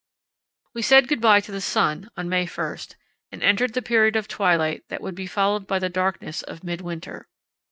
We said good bye to the sun on May 1 and entered the period of twilight that would be followed by the darkness of midwinter.